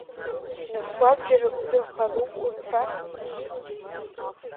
Нас уабџьар узырхару урҭ рахь?